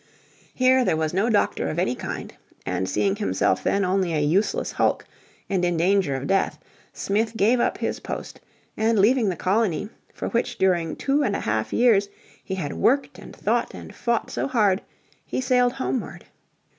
Here there was no doctor of any kind, and seeing himself then only a useless hulk, and in danger of death, Smith gave up his post, and leaving the colony, for which during two and a half years he had worked and thought and fought so hard, he sailed homeward.